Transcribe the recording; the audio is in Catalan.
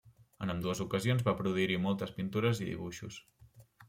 En ambdues ocasions va produir-hi moltes pintures i dibuixos.